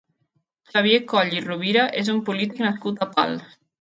Xavier Coll i Rovira és un polític nascut a Pals.